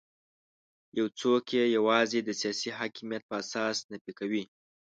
یو څوک یې یوازې د سیاسي حاکمیت په اساس نفي کوي.